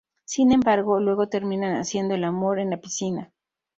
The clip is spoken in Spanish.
Sin embargo, luego terminan haciendo el amor en la piscina.